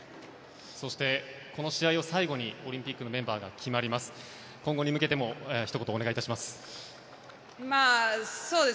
そしてこの試合を最後にオリンピックのメンバーが決まります。